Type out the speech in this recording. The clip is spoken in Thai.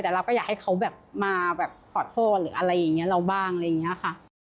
แต่เราก็อยากให้เขาแบบมาแบบขอโทษหรืออะไรอย่างนี้เราบ้างอะไรอย่างนี้ค่ะ